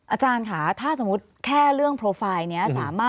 อาจารย์ค่ะถ้าสมมุติแค่เรื่องโปรไฟล์นี้สามารถ